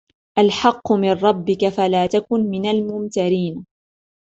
الحق من ربك فلا تكن من الممترين